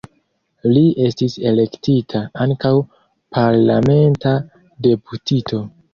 Li estis elektita ankaŭ parlamenta deputito.